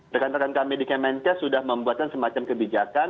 rekan rekan kami di kemenkes sudah membuatkan semacam kebijakan